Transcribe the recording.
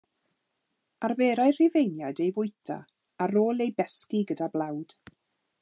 Arferai'r Rhufeiniaid ei fwyta, ar ôl ei besgi gyda blawd.